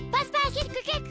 キックキック！